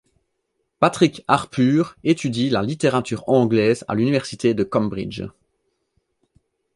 Patrick Harpur étudie la littérature anglaise à l'Université de Cambridge.